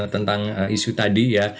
tentang isu tadi ya